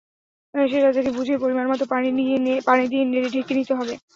সেটা দেখে বুঝেই পরিমাণমতো পানি দিয়ে নেড়ে ঢেকে দিতে হবে।